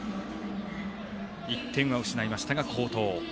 １点は失いましたが好投。